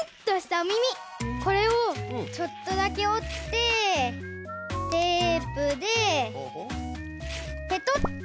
これをちょっとだけおってテープでペトッと。